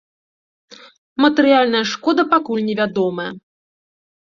Матэрыяльная шкода пакуль невядомая.